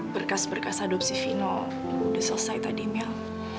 berkas berkas adopsi fino udah selesai tadi mel